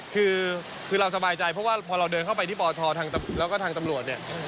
คือเราสบายใจเพราะว่าพอเราเดินเข้าไปที่ปทแล้วก็ทางตำรวจเนี่ย